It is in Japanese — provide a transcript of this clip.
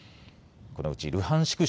このうちルハンシク